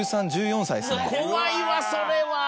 怖いわそれは。